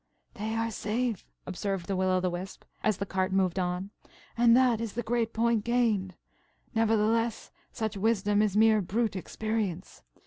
"They are safe," observed the Will o' the Wisp,' as the cart moved on, "and that is the great point gained! Nevertheless, such wisdom is mere brute experience.